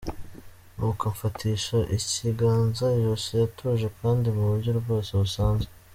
Nuko amfatisha ikiganza ijosi atuje kandi mu buryo rwose busanzwe.